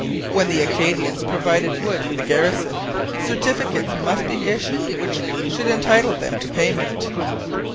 When the Acadians provided wood for the garrison, certificates must be issued which should entitle them to payment.